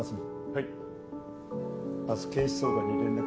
はい。